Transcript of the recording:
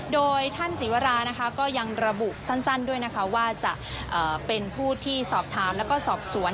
โดยท่านศิวรานะคะก็ยังระบุสั้นด้วยนะคะว่าจะเป็นผู้ที่สอบถามแล้วก็สอบสวน